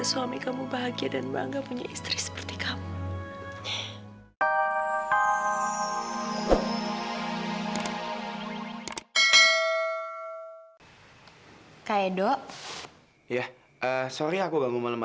sampai jumpa di video selanjutnya